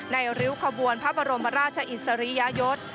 ริ้วขบวนพระบรมราชอิสริยยศ